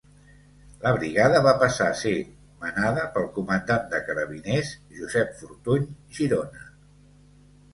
La brigada va passar a ser manada pel comandant de carabiners Josep Fortuny Girona.